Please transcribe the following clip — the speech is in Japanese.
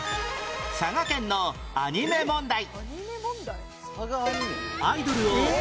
佐賀県のアニメ問題